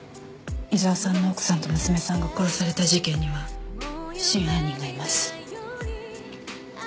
井沢さんの奥さんと娘さんが殺された事件には真犯人がいます。